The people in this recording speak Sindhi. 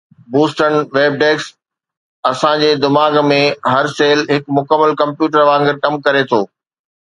بوسٽن ويب ڊيسڪ اسان جي دماغ ۾ هر سيل هڪ مڪمل ڪمپيوٽر وانگر ڪم ڪري ٿو